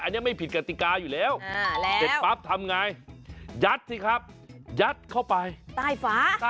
อันนี้ไม่ผิดกษัตริกาหรือแล้ว